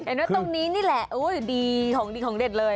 เห็นไหมตรงนี้นี่แหละดีของเด็ดเลย